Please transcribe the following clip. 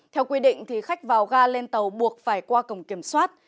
theo quy định khách vào ga lên tàu buộc phải qua cổng kiểm soát